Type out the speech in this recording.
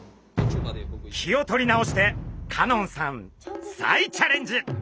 気を取り直して香音さん再チャレンジ！